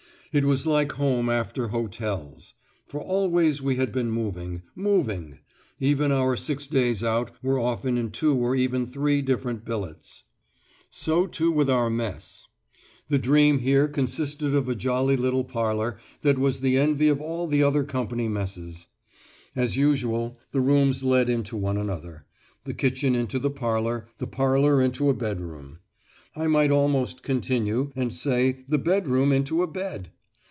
It was like home after hotels! For always we had been moving, moving; even our six days out were often in two or even three different billets. So, too, with our mess. The dream here consisted of a jolly little parlour that was the envy of all the other company messes. As usual, the rooms led into one another, the kitchen into the parlour, the parlour into a bedroom; I might almost continue, and say the bedroom into a bed!